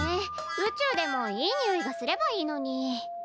宇宙でもいいにおいがすればいいのに。